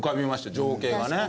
情景がね。